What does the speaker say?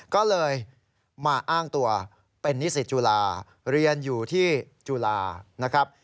ก็เลยมาอ้างตัวเป็นนิสิตจุฬาเรียนอยู่ที่จุฬานะครับ